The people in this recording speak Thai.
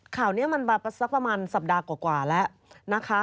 ข่าวนี้มันมาสักประมาณสัปดาห์กว่าแล้วนะคะ